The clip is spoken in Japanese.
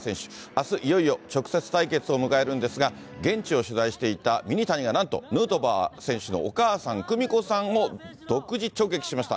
あす、いよいよ直接対決を迎えるんですが、現地を取材していたミニタニがなんとヌートバー選手のお母さん、久美子さんを独自直撃しました。